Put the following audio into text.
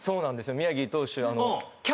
宮城投手。